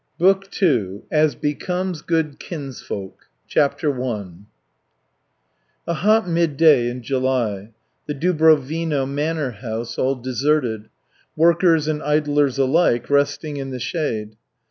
BOOK II AS BECOMES GOOD KINSFOLK CHAPTER I A hot midday in July; the Dubrovino manor house all deserted. Workers and idlers alike resting in the shade.